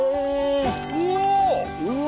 うわ！